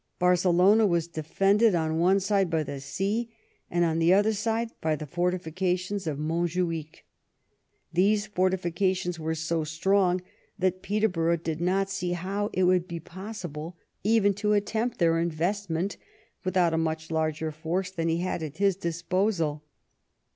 Barcelona was defended on one side by the sea and on the other side by the fortifications of Monjuich. These fortifications were so strong that Peterborough did not see how it would be possible even to attempt their investment without a much larger force than he had at his disposal.